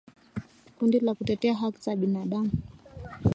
Kundi la kutetea haki za binadamu